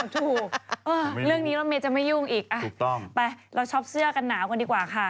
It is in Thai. ถูกเรื่องนี้รถเมย์จะไม่ยุ่งอีกไปเราช็อปเสื้อกันหนาวกันดีกว่าค่ะ